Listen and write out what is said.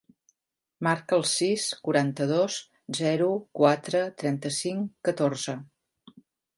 Marca el sis, quaranta-dos, zero, quatre, trenta-cinc, catorze.